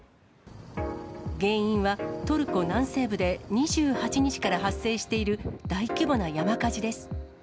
原因は、トルコ南西部で２８日から発生している大規模な山火事です。